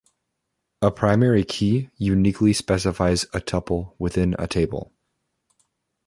A primary key uniquely specifies a tuple within a table.